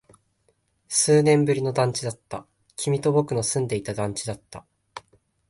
数年ぶりの団地だった。君と僕の住んでいた団地だった。